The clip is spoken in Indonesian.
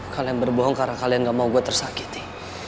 kalian berbohong karena kalian gak mau gue tersakiti